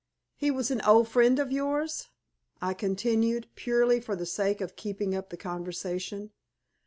"He was an old friend of yours?" I continued, purely for the sake of keeping up the conversation.